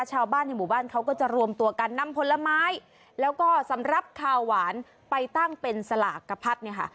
ชาวบ้านในหมู่บ้านเขาก็จะรวมตัวกันนำผลไม้แล้วก็สำหรับขาวหวานไปตั้งเป็นสลากกระพัดเนี่ยค่ะ